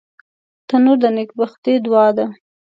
تنور د نیکبختۍ دعا ده